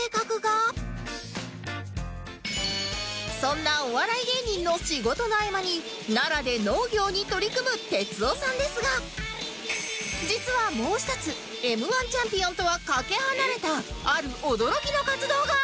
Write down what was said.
そんなお笑い芸人の仕事の合間に奈良で農業に取り組む哲夫さんですが実はもう１つ Ｍ−１ チャンピオンとはかけ離れたある驚きの活動が！